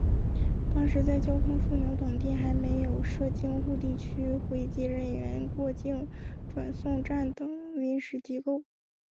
当时在交通枢纽等地还设有京沪地区回籍人员过境转送站等临时机构。